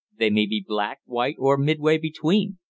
They may be black, white or midway between.